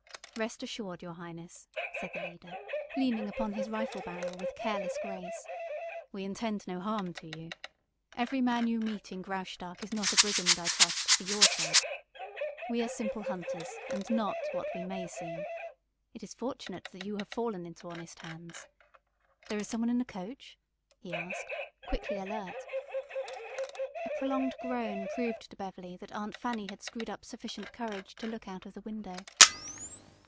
"Rest assured, your highness," said the leader, leaning upon his rifle barrel with careless grace, "we intend no harm to you. Every man you meet in Graustark is not a brigand, I trust, for your sake. We are simple hunters, and not what we may seem. It is fortunate that you have fallen into honest hands. There is someone in the coach?" he asked, quickly alert. A prolonged groan proved to Beverly that Aunt Fanny had screwed up sufficient courage to look out of the window.